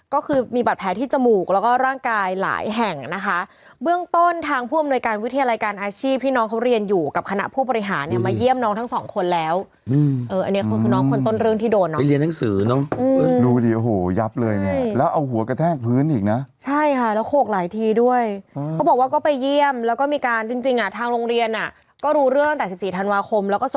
ก็คือมีบัตรแพ้ที่จมูกแล้วก็ร่างกายหลายแห่งนะคะเบื้องต้นทางผู้อำนวยการวิทยาลายการอาชีพที่น้องเขาเรียนอยู่กับคณะผู้ปริหารมาเยี่ยมน้องทั้งสองคนแล้วอันนี้คือน้องคนน้องต้นเรื่องที่โดนไปเรียนหนังสือน้องดูดิโหยับเลยเนี่ยแล้วเอาหัวกระแทกพื้นอีกนะใช่ค่ะแล้วโคกหลายทีด้วยเขาบอกว่าก็ไปเยี่ยมแล้วก